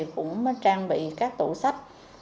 cũng trang bị các tổ sách